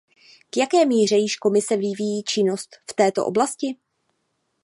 V jaké míře již Komise vyvíjí činnost v této oblasti?